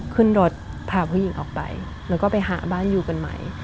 ขึ้นรถพาผู้หญิงออกไปแล้วก็ไปหาบ้านอยู่กันใหม่